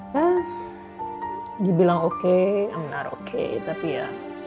ya dibilang oke benar oke tapi ya